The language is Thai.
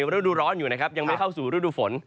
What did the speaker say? ฤดูร้อนอยู่นะครับยังไม่เข้าสู่ฤดูฝน